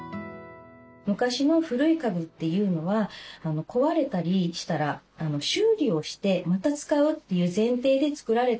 昔の古い家具というのは壊れたりしたら修理をしてまた使うという前提で作られている。